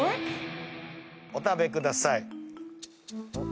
お食べください。